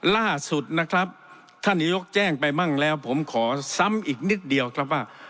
ล่าสุดนะครับท่านนายกแจ้งไปมั่งแล้วผมขอซ้ำอีกนิดเดียวครับว่า